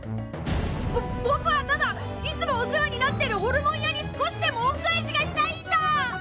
ぼぼくはただいつもお世話になってるホルモン屋に少しでも恩返しがしたいんだ！